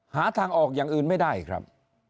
หาทางออกอย่างอื่นไม่ได้ครับ